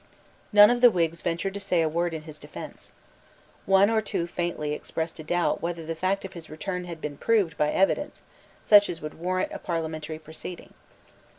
None of the Whigs ventured to say a word in his defence. One or two faintly expressed a doubt whether the fact of his return had been proved by evidence such as would warrant a parliamentary proceeding.